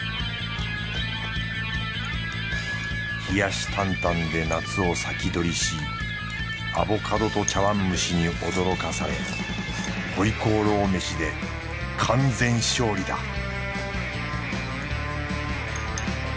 冷やしタンタンで夏を先取りしアボカドと茶碗蒸しに驚かされ回鍋肉飯で完全勝利だ